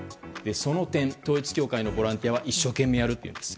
その点統一教会のボランティアは一生懸命やるというんです。